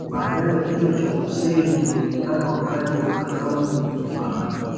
Baadae kichwa cha Hussein kilionekana wakati wa karamu ya kifahari